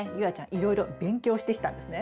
いろいろ勉強してきたんですね。